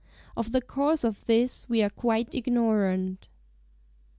Of the cause of this we are quite ignorant."